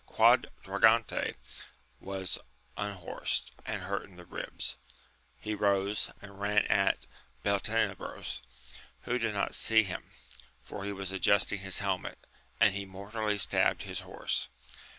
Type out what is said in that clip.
Quadragante was unhorsed and hurt in the ribs ! he rose, and ran at Beltenebros, who did not see him, for he was adjust ing his helmet, and he mortally stabbed his horse.